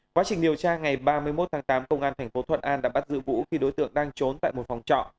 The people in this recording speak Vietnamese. quá trình điều tra ngày ba mươi một tháng tám công an tp thuận an đã bắt giữ vũ khi đối tượng đang trốn tại một phòng trọ